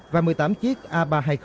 và một mươi tám chiếc a ba trăm hai mươi